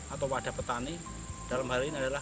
atau wadah petani dalam hal ini adalah